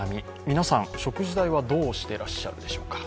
皆さん、食事代はどうしてらっしゃるでしょうか。